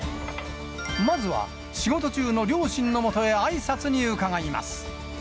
まずは仕事中の両親のもとへ、あいさつに伺います。